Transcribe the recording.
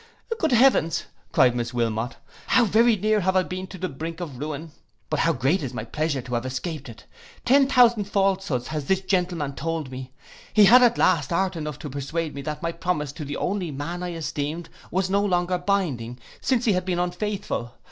'Good heavens!' cried Miss Wilmot, 'how very near have I been to the brink of ruin! But how great is my pleasure to have escaped it! Ten thousand falsehoods has this gentleman told me! He had at last art enough to persuade me that my promise to the only man I esteemed was no longer binding, since he had been unfaithful.